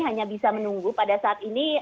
hanya bisa menunggu pada saat ini